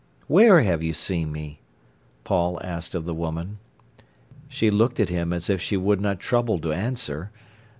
"Where have you seen me?" Paul asked of the woman. She looked at him as if she would not trouble to answer.